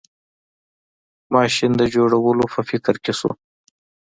ماشین د جوړولو په فکر کې شو.